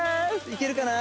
いけるかな？